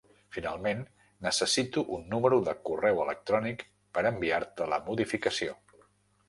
Finalment, necessito un número de correu electrònic, per enviar-te la modificació.